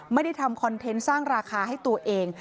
ไม่ได้ทำคอนเทนต์สร้างราคาให้ตัวเอง